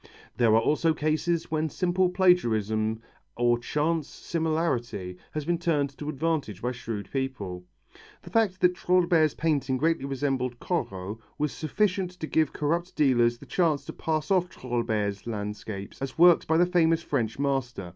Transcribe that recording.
There are also cases when simple plagiarism or chance similarity has been turned to advantage by shrewd people. The fact that Trouillebert's painting greatly resembled Corot, was sufficient to give corrupt dealers the chance to pass off Trouillebert's landscapes as works by the famous French master.